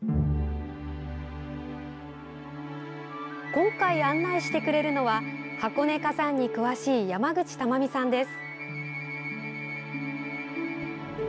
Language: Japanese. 今回、案内してくれるのは箱根火山に詳しい山口珠美さんです。